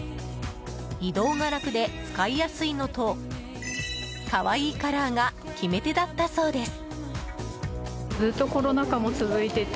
移動が楽で使いやすいのと可愛いカラーが決め手だったそうです。